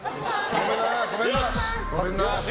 ごめんな。